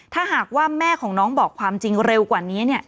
ถ้าหากว่าแม่ของน้องบอกความจริงเร็วกว่านี้